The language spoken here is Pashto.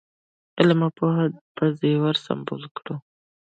علم او پوهې په زېور سمبال کړو.